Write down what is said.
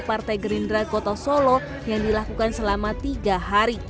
partai gerindra kota solo yang dilakukan selama tiga hari